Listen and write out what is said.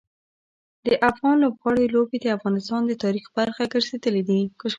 د افغان لوبغاړو لوبې د افغانستان د تاریخ برخه ګرځېدلي دي.